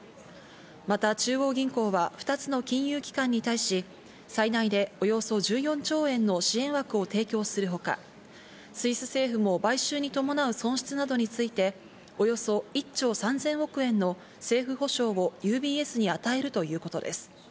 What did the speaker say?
また中央銀行は２つの金融機関に対し、最大でおよそ１４兆円の支援枠を提供するほか、スイス政府も買収に伴う損失などについて、およそ１兆３０００億円の政府保証をＵＢＳに与えるということです。